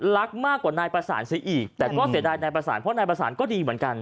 รักมากกว่านายประสานซะอีกแต่ก็เสียดายนายประสานเพราะนายประสานก็ดีเหมือนกัน